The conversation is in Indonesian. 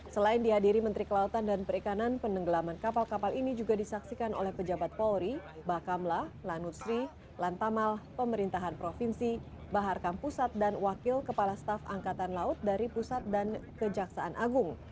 selain dihadiri menteri kelautan dan perikanan penenggelaman kapal kapal ini juga disaksikan oleh pejabat polri bakamla lanusri lantamal pemerintahan provinsi bahar kam pusat dan wakil kepala staf angkatan laut dari pusat dan kejaksaan agung